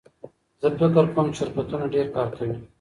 زه فکر کوم چې شرکتونه ډېر کار کوي.